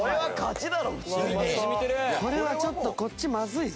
これはちょっとこっちまずいぞ。